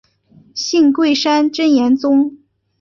信贵山真言宗。